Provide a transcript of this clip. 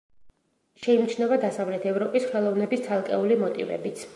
შეიმჩნევა დასავლეთ ევროპის ხელოვნების ცალკეული მოტივებიც.